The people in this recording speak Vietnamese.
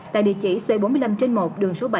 tại địa chỉ c bốn mươi năm trên một đường số bảy